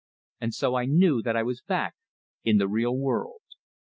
And so I knew that I was back in the real world.